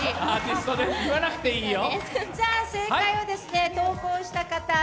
言わなくていいよ。